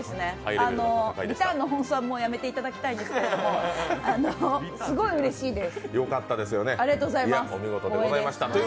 リターンの放送はもうやめていただきたいんですけど、すごいうれしいです。